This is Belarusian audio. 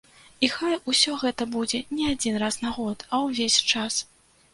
І хай усё гэта будзе не адзін раз на год, а ўвесь час!